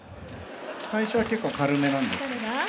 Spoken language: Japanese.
最初は結構軽めなんです。